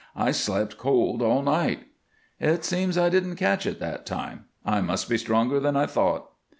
"I slept cold all night." "It seems I didn't catch it that time. I must be stronger than I thought."